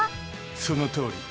そのとおり！